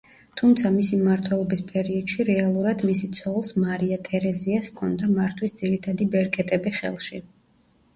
თუმცა მისი მმართველობის პერიოდში რეალურად მისი ცოლს, მარია ტერეზიას, ჰქონდა მართვის ძირითადი ბერკეტები ხელში.